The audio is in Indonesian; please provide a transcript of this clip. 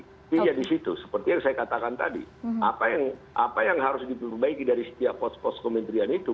jadi di situ seperti yang saya katakan tadi apa yang harus diperbaiki dari setiap pos pos kementerian itu